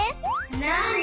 なに？